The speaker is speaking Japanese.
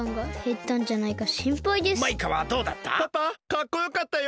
パパかっこよかったよ。